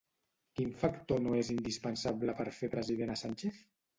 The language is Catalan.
Quin factor no és indispensable per fer president a Sánchez?